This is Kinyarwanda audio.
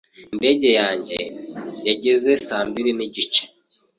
Indege yanjye yageze saa mbiri n'igice.